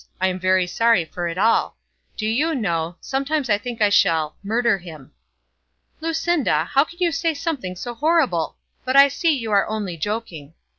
I am very sorry for it all. Do you know; I sometimes think I shall murder him." "Lucinda, how can you say anything so horrible! But I see you are only joking."